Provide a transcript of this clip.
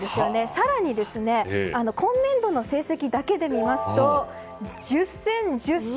更に今年度の成績だけで見ると１０戦１０勝。